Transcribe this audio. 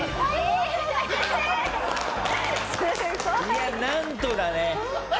いや「なんと」だね。